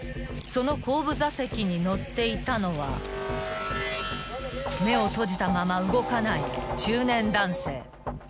［その後部座席に乗っていたのは目を閉じたまま動かない］